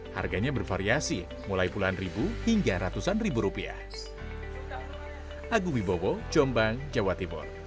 harganya bervariasi mulai puluhan ribu hingga ratusan ribu rupiah